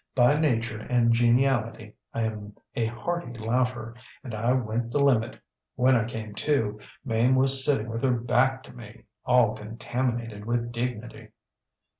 By nature and geniality I am a hearty laugher, and I went the limit. When I came to, Mame was sitting with her back to me, all contaminated with dignity.